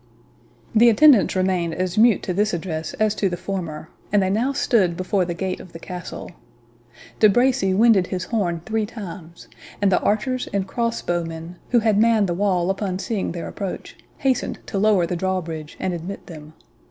The attendants remained as mute to this address as to the former, and they now stood before the gate of the castle. De Bracy winded his horn three times, and the archers and cross bow men, who had manned the wall upon seeing their approach, hastened to lower the drawbridge, and admit them.